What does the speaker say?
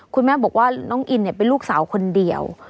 คุณแม่บอกว่าน้องอินเป็นลูกสาวคนเดียว